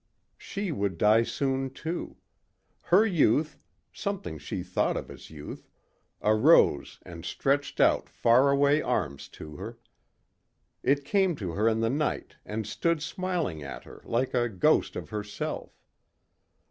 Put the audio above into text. She would die soon, too. Her youth something she thought of as youth, arose and stretched out far away arms to her. It came to her in the night and stood smiling at her like a ghost of herself.